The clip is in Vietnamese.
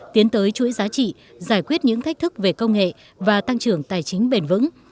tiến tới chuỗi giá trị giải quyết những thách thức về công nghệ và tăng trưởng tài chính bền vững